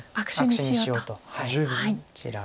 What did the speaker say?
悪手にしようとこちら。